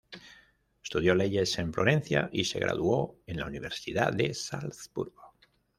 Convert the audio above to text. Estudió leyes en Florencia, y se graduó en la Universidad de Salzburgo.